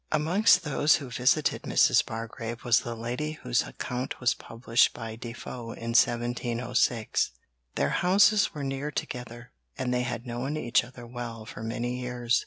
Amongst those who visited Mrs. Bargrave was the lady whose account was published by Defoe in 1706. Their houses were near together, and they had known each other well for many years.